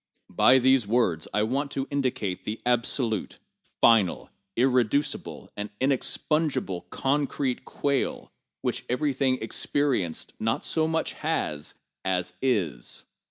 By these words I want to indicate the absolute, final, irreducible and inexpugnable concrete quale which everything experienced not so much has as is.